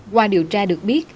qua điều tra được biết